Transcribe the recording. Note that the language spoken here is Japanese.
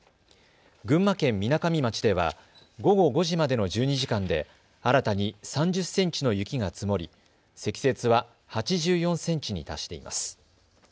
群馬県みなかみ町では午後５時までの１２時間で新たに３０センチの雪が積もり積雪は８４センチに達しています。